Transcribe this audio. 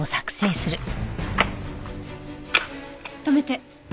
止めて。